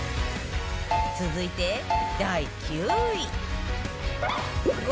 続いて第９位